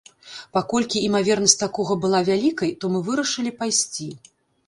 Паколькі імавернасць такога была вялікай, то мы вырашылі пайсці.